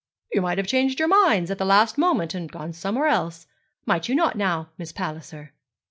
'You might have changed your minds at the last moment and gone somewhere else. Might you not, now, Miss Palliser?'